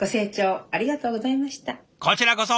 こちらこそ。